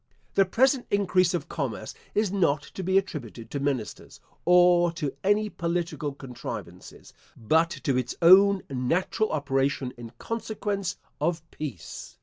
The present increase of commerce is not to be attributed to ministers, or to any political contrivances, but to its own natural operation in consequence of peace.